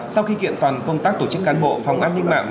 sau khi kiện toàn công tác tổ chức cán bộ phòng an ninh mạng